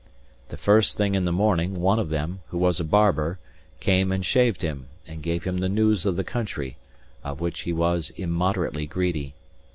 The first thing in the morning, one of them, who was a barber, came and shaved him, and gave him the news of the country, of which he was immoderately greedy.